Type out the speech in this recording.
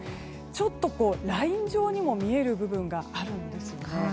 ちょっとライン状にも見える部分があるんですね。